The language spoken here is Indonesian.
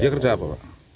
dia kerja apa pak